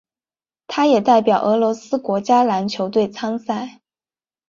他也代表俄罗斯国家篮球队参赛。